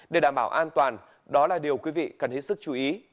để đảm bảo an toàn đó là điều quý vị cần hết sức chú ý